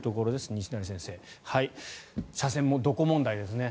西成先生車線もどこ問題ですね。